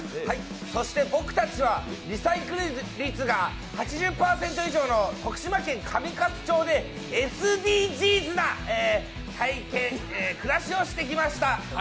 そして僕たちはリサイクル率が８０％以上の徳島県上勝町でＳＤＧｓな暮らしをしてきました。